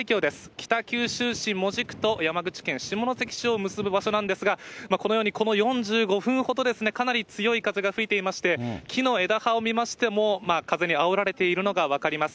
北九州市門司区と山口県下関市を結ぶ場所なんですが、このようにこの４５分ほど、かなり強い風が吹いていまして、木の枝葉を見ましても、風にあおられているのが分かります。